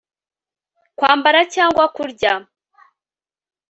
kwambara cyangwa kurya